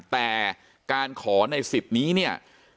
แต่การขอในสิทธิ์นี้เนี่ย